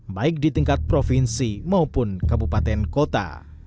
baik di tingkat provinsi maupun negara